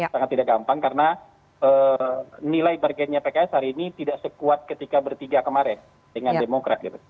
sangat tidak gampang karena nilai bargainnya pks hari ini tidak sekuat ketika bertiga kemarin dengan demokrat